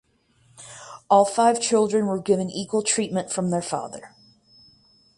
All five children were given equal treatment from their father.